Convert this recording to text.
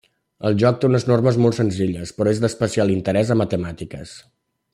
El joc té unes normes molt senzilles, però és d'especial interès a matemàtiques.